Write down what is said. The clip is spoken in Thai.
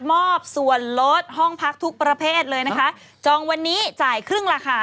มอบส่วนลดห้องพักทุกประเภทเลยนะคะจองวันนี้จ่ายครึ่งราคา